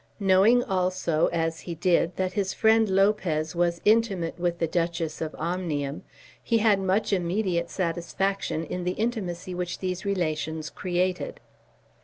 Knowing also, as he did, that his friend Lopez was intimate with the Duchess of Omnium, he had much immediate satisfaction in the intimacy which these relations created.